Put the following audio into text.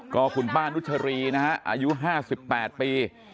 ก็คุณป้านุชรีนะฮะอายุห้าสิบแปดปี